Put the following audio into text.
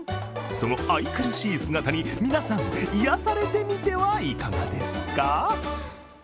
その愛くるしい姿に皆さん癒やされてみてはいかがですか？